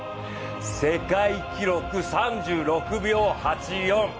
世界記録３６秒８４。